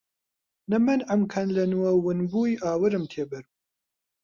نە مەنعم کەن لە نووەو ون بووی ئاورم تێ بەر بوو